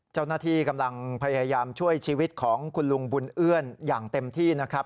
เจ้าหน้าที่กำลังพยายามช่วยชีวิตของคุณลุงบุญเอื้อนอย่างเต็มที่นะครับ